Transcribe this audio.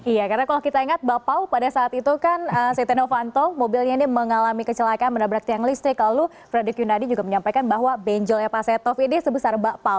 iya karena kalau kita ingat bapak pau pada saat itu kan seti novanto mobilnya ini mengalami kecelakaan menabrak tiang listrik lalu frederick yunadi juga menyampaikan bahwa benjolnya pasetof ini sebesar bapak pau